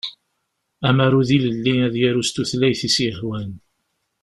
Amaru d ilelli ad yaru s tutlayt i s-yehwan.